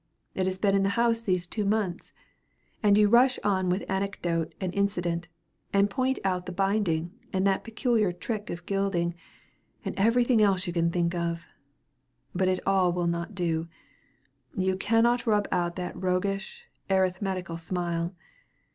It has been in the house these two months." and you rush on with anecdote and incident, and point out the binding, and that peculiar trick of gilding, and everything else you can think of; but it all will not do; you cannot rub out that roguish, arithmetical smile.